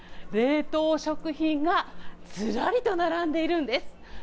冷凍食品がずらりと並んでいるんです。